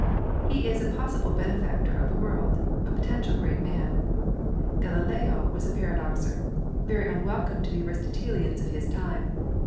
He is a possible benefactor of the world, a potential great man. Galileo was a paradoxer—very unwel come to the Aristotelians of his time.